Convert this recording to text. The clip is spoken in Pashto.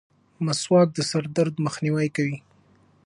مسواک د سر درد مخنیوی کوي.